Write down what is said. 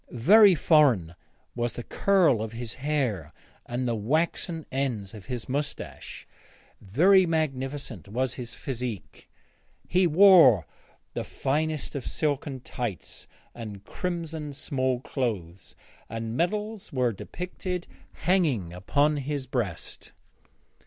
Very foreign was the curl of his hair and the waxen ends of his moustache; very magnificent was his physique; he wore the finest of silken tights and crimson small clothes, and medals were depicted hanging upon his breast.